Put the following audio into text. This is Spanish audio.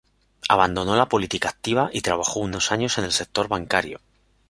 Abandonó la política activa y trabajó unos años en el sector bancario.